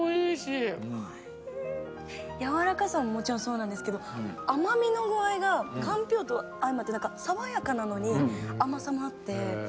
やわらかさももちろんそうなんですけど甘みの具合がかんぴょうと相まってさわやかなのに甘さもあって。